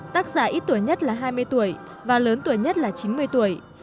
tác giả ít tuổi nhất là hai mươi tuổi và lớn tuổi nhất là chín mươi tuổi